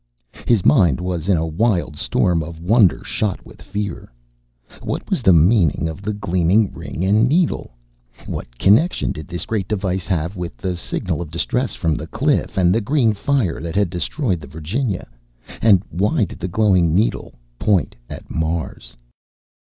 His mind was in a wild storm of wonder shot with fear. What was the meaning of the gleaming ring and needle? What connection did this great device have with the signal of distress from the cliff, and the green fire that had destroyed the Virginia? And why did the glowing needle point at Mars?